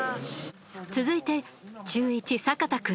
続いて中１坂田君。